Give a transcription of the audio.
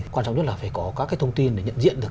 quan trọng nhất là phải có các cái thông tin để nhận diện được